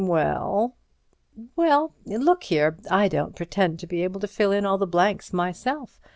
"Well—" "Well, look here, I don't pretend to be able to fill in all the blanks myself.